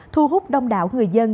thu hút đông đảo người dân